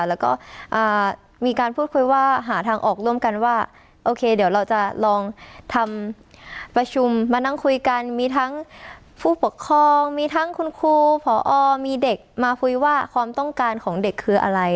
แล้วก็มีการพูดคุยว่าหาทางออกร่วมกันว่าโอเคเดี๋ยวเราจะลองทำประชุมมานั่งคุยกันมีทั้งผู้ปกครองมีทั้งคุณครูพอมีเด็กมาคุยว่าความต้องการของเด็กคืออะไร